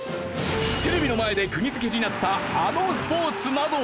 テレビの前でくぎ付けになったあのスポーツなど。